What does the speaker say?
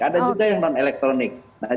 ada juga yang non elektronik